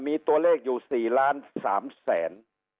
มีตัวเลขอยู่๔ล้าน๓แสน